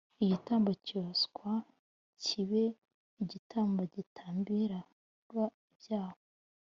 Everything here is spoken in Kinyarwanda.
igitambo cyoswa kibe igitambo gitambirwa ibyaha